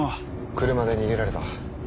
車で逃げられた。